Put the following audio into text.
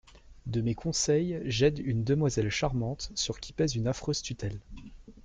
De mes conseils j’aide une demoiselle Charmante, sur qui pèse une affreuse tutelle.